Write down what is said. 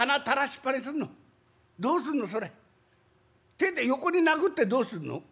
手で横になぐってどうすんの？